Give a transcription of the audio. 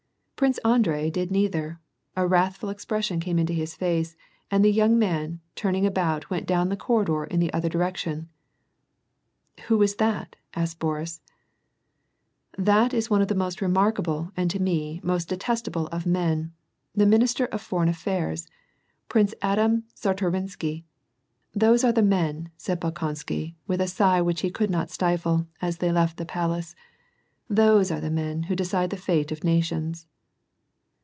Prince Andrei did neither ; a wrathful expression came into his face, and the young man, turning about went down the corridor in the other direction. " Who was that ?" asked Boris. That is one of the most remarkable, and to me, most detest able of men, — the minister of foreign affairs. Prince Adam Czartorisky. Those are the men,'' said Bolkonsky , with a sigh which he could not stifle, as they left the palace, ^* those are the men who decide the fate of nations."